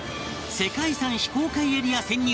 世界遺産非公開エリア潜入